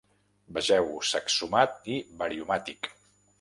Vegeu Saxomat i Variomatic.